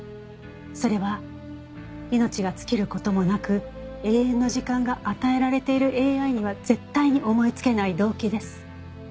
それは命が尽きる事もなく永遠の時間が与えられているＡＩには絶対に思いつけない動機です。